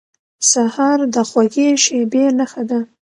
سهار د خوږې شېبې نښه ده.